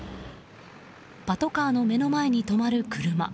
パトカーの目の前に止まる車。